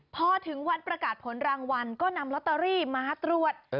พอถึงวันประกาศผลรางวัลก็นำลอตเตอรี่มาตรวจ